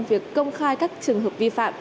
việc công khai các trường hợp vi phạm